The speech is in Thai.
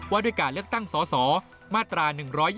ว่าด้วยการเลือกตั้งสสมาตรา๑๒